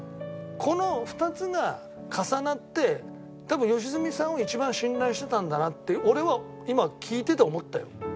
この２つが重なって多分良純さんを一番信頼してたんだなって俺は今聞いてて思ったよ